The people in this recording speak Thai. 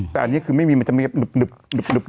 แต่อันนี้คือไม่มีมันจะมีหนึบ